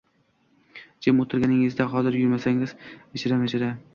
Jim o`tirganingda hozir yurmasding ijarama-ijara